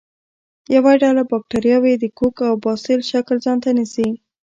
یوه ډله باکتریاوې د کوک او باسیل شکل ځانته نیسي.